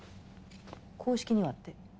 公式にはって？